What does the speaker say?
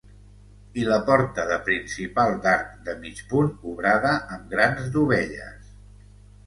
I la porta de principal d'arc de mig punt obrada amb grans dovelles.